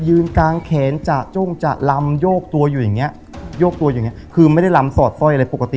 ยืนกางแขนจากจ้งจากลำโยกตัวอยู่อย่างเงี้ยคือไม่ได้ลำสอดส้อยอะไรปกติ